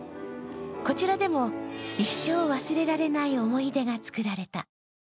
こちらでも、一生忘れられない思い出が作られた。